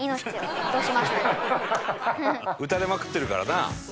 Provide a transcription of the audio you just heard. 「撃たれまくってるからな」